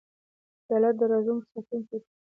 پیاله د رازونو ساتونکې ده.